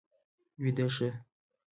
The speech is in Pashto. ويده شه.